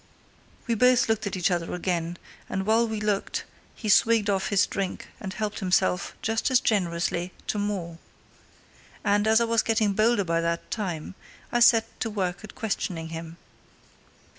We both looked at each other again, and while we looked he swigged off his drink and helped himself, just as generously, to more. And, as I was getting bolder by that time, I set to work at questioning him.